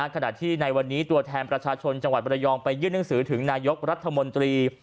ขณะที่ในวันนี้ตัวแทนประชาชนจังหวัดบรยองไปยื่นหนังสือถึงนายกรัฐมนตรี